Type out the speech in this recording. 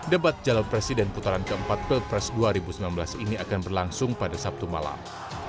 debat calon presiden putaran keempat pilpres dua ribu sembilan belas ini akan berlangsung pada sabtu malam